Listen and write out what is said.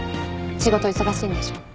仕事忙しいんでしょ。